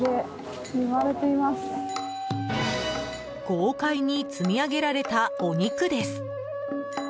豪快に積み上げられたお肉です。